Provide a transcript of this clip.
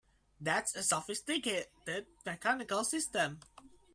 That's a sophisticated mechanical system!